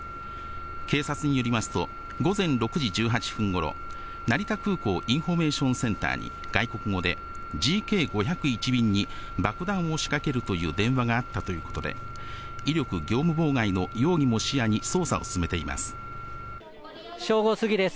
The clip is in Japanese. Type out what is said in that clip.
警察によりますと、午前６時１８分ごろ、成田空港インフォメーションセンターに、外国語で、ＧＫ５０１便に爆弾を仕掛けるという電話があったということで、威力業務妨害の容疑も視野に捜査を進めています。